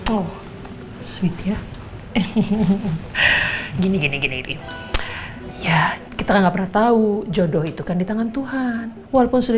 oh sweeh ya gini gini ya kita enggak pernah tahu jodoh itu kan di tangan tuhan walaupun sudah